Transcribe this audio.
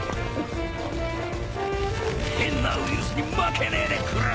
変なウイルスに負けねえでくれ！